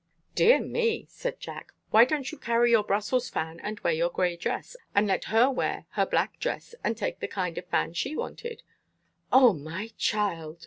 "Dear me!" said Jack. "Why don't you carry your Brussels fan and wear your gray dress, and let her wear her black dress and take the kind of fan she wanted?" "O, my child!"